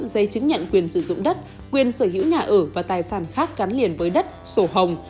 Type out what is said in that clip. giấy chứng nhận quyền sử dụng đất quyền sở hữu nhà ở và tài sản khác gắn liền với đất sổ hồng